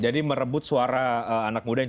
merebut suara anak muda yang